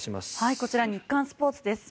こちら日刊スポーツです。